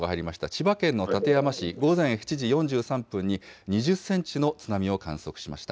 千葉県の館山市、午前７時４３分に２０センチの津波を観測しました。